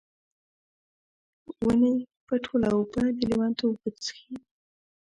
ونې به ټوله اوبه، د لیونتوب وچیښي